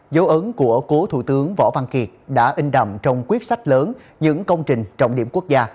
dấu ấn của cố thủ tướng võ văn kiệt đã in đậm trong quyết sách lớn những công trình trọng điểm quốc gia